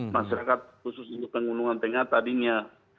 masyarakat khusus untuk penggunungan tengah tadinya